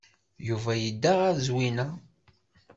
Yuba yedda ɣer Zwina.